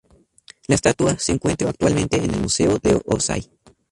La estatua se encuentra actualmente en el Museo de Orsay.